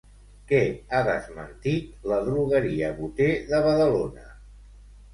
Què ha desmentit l'adrogueria Boter de Badalona?